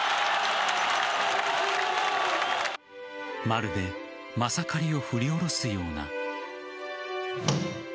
まるでマサカリを振り下ろすような。